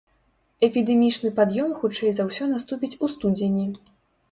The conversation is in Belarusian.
Эпідэмічны пад'ём хутчэй за ўсё наступіць у студзені.